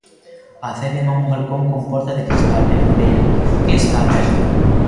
Acceden a un balcón con porta de cristal e madeira, que está aberta.